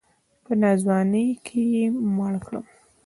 په ناځواني کې یې مړ کړ.